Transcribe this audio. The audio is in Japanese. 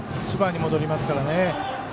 １番に戻りますから。